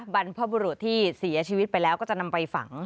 บรรพบุรุษที่เสียชีวิตไปแล้วก็จะนำไปฝัง